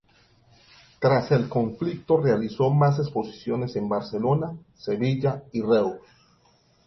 Tras el conflicto realizó más exposiciones en Barcelona, Sevilla y Reus.